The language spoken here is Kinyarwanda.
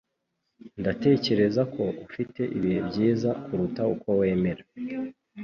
Ndatekereza ko ufite ibihe byiza kuruta uko wemera